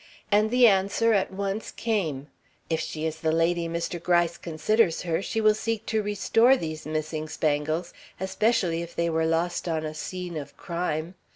And the answer at once came: 'If she is the lady Mr. Gryce considers her, she will seek to restore these missing spangles, especially if they were lost on a scene of crime.